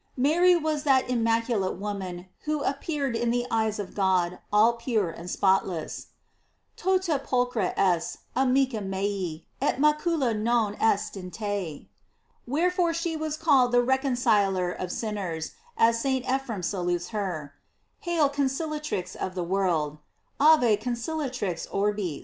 Mary was that immaculate woman who appear ed in the eyes of God all pure and spotless: "Tota pulchra es, arnica mea, et macula non est inte."l Wherefore the was called the recon ciler of sinners, as St. Ephrem salutes her: "Hail, conciliatrix of the world: "Ave conciliatrix orbis."